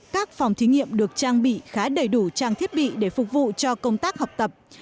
các phòng thí nghiệm được trang bị khá đầy đủ trang thiết bị để phục vụ cho công tác học tập